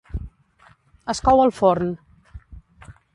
Es cou al forn.